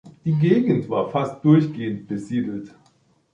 Die Gegend war fast durchgehend besiedelt.